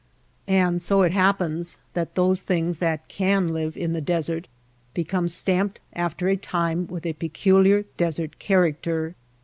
And so it happens that those things that can live in the desert become stamped after a time with a peculiar desert character.